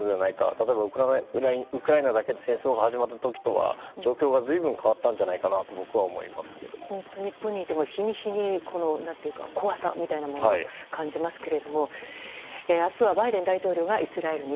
例えば、ウクライナだけで戦争が始まった時とは随分状況が変わったと日本にいても日に日に怖さみたいなものを感じますけれども明日はバイデン大統領がイスラエルに。